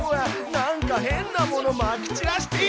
なんか変なものまき散らしているよ！